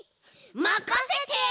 まかせて！